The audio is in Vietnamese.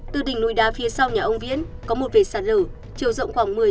từ đỉnh núi đá phía sau nhà ông viến có một vệt sạt lở chiều rộng khoảng một mươi hai mươi m